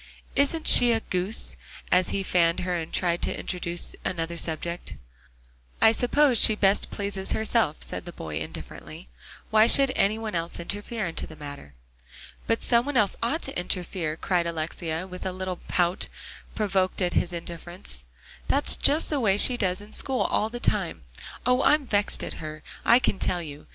"Isn't she a goose?" as he fanned her, and tried to introduce another subject. "I suppose she best pleases herself," said the boy indifferently. "Why should any one else interfere in the matter?" "But some one else ought to interfere," cried Alexia, with a little pout, provoked at his indifference; "that's just the way she does in school all the time. Oh! I'm vexed at her, I can tell you.